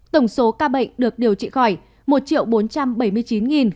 tổng số ca nhiễm được công bố trong ngày một mươi bốn sáu trăm ba mươi ba ca